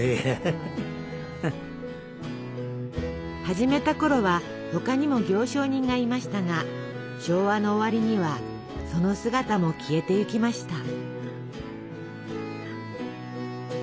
始めたころは他にも行商人がいましたが昭和の終わりにはその姿も消えていきました。